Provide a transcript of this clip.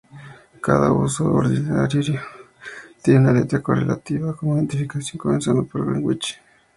Cada huso horario tiene una letra correlativa como identificación, comenzando por Greenwich.